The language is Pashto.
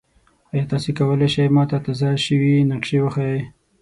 ایا تاسو کولی شئ ما ته تازه شوي نقشې وښایئ؟